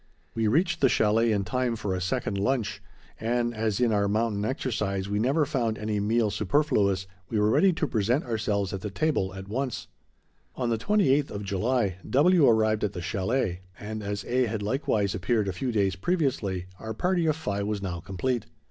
We reached the chalet in time for a second lunch, and, as in our mountain exercise we never found any meal superfluous, we were ready to present ourselves at the table at once. On the 28th of July, W. arrived at the chalet, and, as A. had likewise appeared a few days previously, our party of five was now complete.